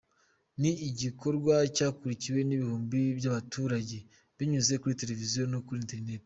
Ni igikorwa cyakurikiwe n’ibihumbi by’abaturage binyuze kuri televiziyo no kuri Internet.